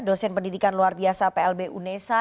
dosen pendidikan luar biasa plb unesa